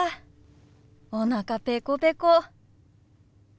おなかペコペコ。